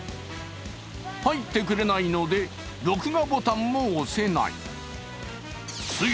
入ってくれないので、録画ボタンも押せない。